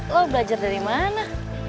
lo belajar dari mana